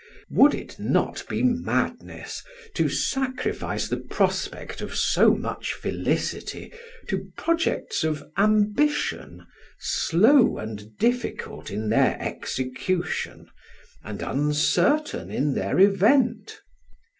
Would it not be madness to sacrifice the prospect of so much felicity to projects of ambition, slow and difficult in their execution, and uncertain in their event?